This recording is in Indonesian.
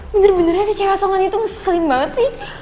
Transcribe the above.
bener bener ya si cewek asongan itu ngeselin banget sih